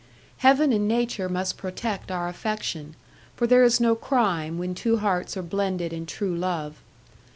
Heaven and nature must protect our affection, for there is no crime when two hearts are blended in true love.